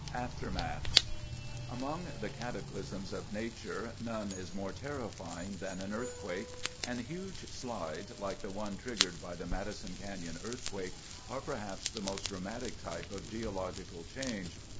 AFTERMATH Among the cataclysms of nature, none is more terrifying than an earthquake, and huge slides, like the one triggered by the Madison Canyon earthquake, are perhaps the most dramatic type of geologic change.